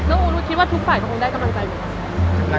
เธอคิดว่าทุกฝ่ายคงได้กำลังใจเหมือนไหร่